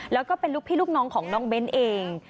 แล้วก็เป็นลูกพี่ลูกน้องของน้องเบ้นเอง